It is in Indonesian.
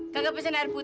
kagak pesan air putih